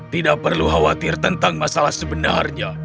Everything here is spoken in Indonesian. tidak perlu khawatir tentang masalah sebenarnya